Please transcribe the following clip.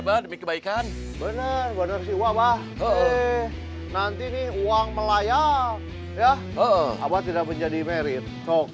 badem kebaikan bener bener siwa nanti nih uang melayang ya apa tidak menjadi merit sop